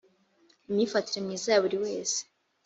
imyifatire myiza ya buri wese.